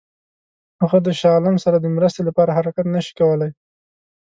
هغه د شاه عالم سره د مرستې لپاره حرکت نه شي کولای.